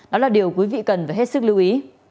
đó là điều quý vị cần phải hết sức lưu ý